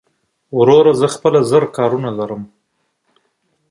وروره زه خپله زر کارونه لرم